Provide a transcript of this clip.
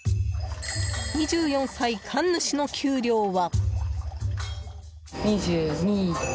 ２４歳神主の給料は。